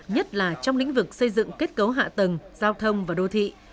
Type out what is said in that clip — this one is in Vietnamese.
nhất là trong lĩnh vực xây dựng kết cấu hạ tầng giao thông và đô thị